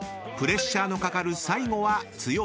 ［プレッシャーのかかる最後は剛］